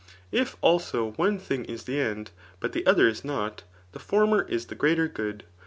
If» alsOf one thbg is the end, but the other is not, {[the former is the greater good.